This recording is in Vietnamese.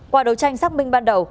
quả đấu tranh xác minh ban đầu